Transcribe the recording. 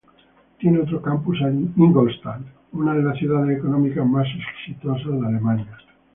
Tiene otro campus en Ingolstadt, una de las ciudades económicamente más exitosas de Alemania.